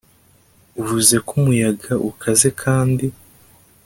uvuze ko umuyaga ukaze, kandi